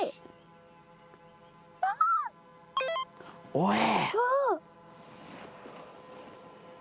おい！